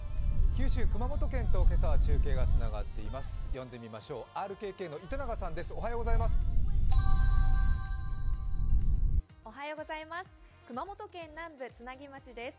九州・熊本県と今朝は中継がつながっています。